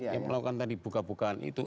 yang melakukan tadi buka bukaan itu